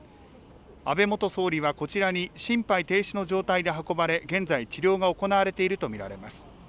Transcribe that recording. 安倍元総理はこちらに心肺停止の状態で運ばれ現在、治療が行われていると見られます。